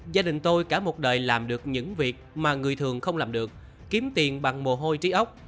gia đình tôi cả một đời làm được những việc mà người thường không làm được kiếm tiền bằng mồ hôi trí ốc